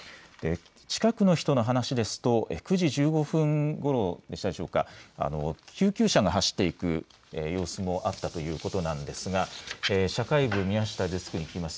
近くの人の話ですと９時１５分ごろ、救急車が走っていく様子もあったということなんですが社会部、宮下デスクに聞きます。